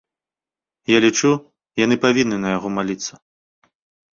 Я лічу, яны павінны на яго маліцца.